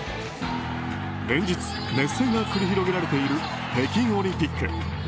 連日、熱戦が繰り広げられている北京オリンピック。